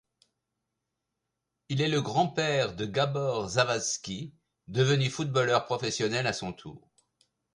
Il est le grand-père de Gábor Zavadszky, devenu footballeur professionnel à son tour.